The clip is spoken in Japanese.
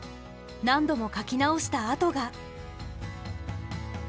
何度も描き直した跡が。